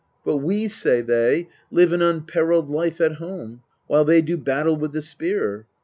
But we, say they, live an unperilled life At home, while they do battle with the spear.